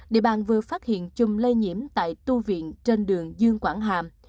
địa bàn vừa phát hiện chùm lây nhiễm tại tu viện trên đường dương quảng hàm